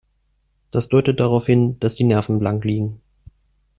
Das deutet darauf hin, dass die Nerven blank liegen.